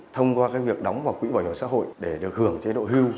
thông qua việc đóng vào quỹ bảo hiểm xã hội để được hưởng chế độ hưu